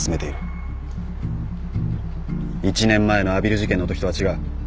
１年前の阿比留事件のときとは違う。